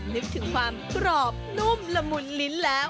นึกถึงความกรอบนุ่มละมุนลิ้นแล้ว